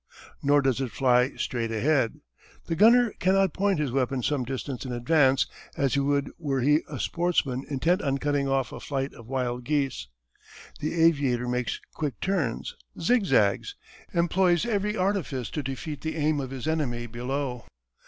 Nor does it fly straight ahead. The gunner cannot point his weapon some distance in advance as he would were he a sportsman intent on cutting off a flight of wild geese. The aviator makes quick turns zigzags employs every artifice to defeat the aim of his enemy below.